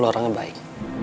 lu orangnya baik